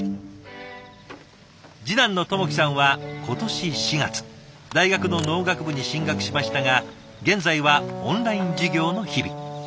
次男の朋紀さんは今年４月大学の農学部に進学しましたが現在はオンライン授業の日々。